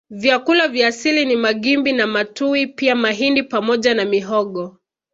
Vyakula vya asili ni magimbi na matuwi pia mahindi pamoja na mihogo